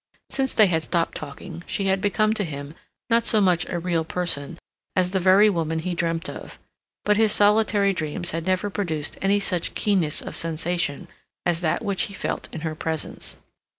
Since they had stopped talking, she had become to him not so much a real person, as the very woman he dreamt of; but his solitary dreams had never produced any such keenness of sensation as that which he felt in her presence.